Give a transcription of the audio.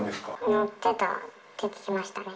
乗ってたって聞きましたね。